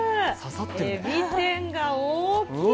海老天が大きい。